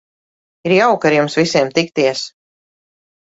Ir jauki ar jums visiem tikties.